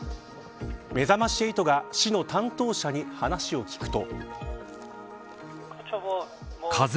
めざまし８が市の担当者に話を聞くと。